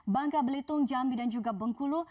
bangka belitung jambi dan juga bengkulu